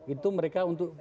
itu mereka untuk